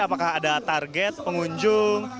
apakah ada target pengunjung